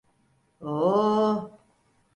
Ooo...